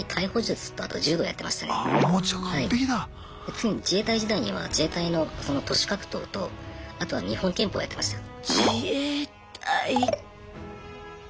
次に自衛隊時代には自衛隊のその徒手格闘とあとは日本拳法やってました。